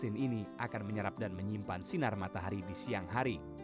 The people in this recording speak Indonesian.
mesin ini akan menyerap dan menyimpan sinar matahari di siang hari